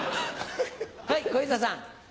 はい小遊三さん。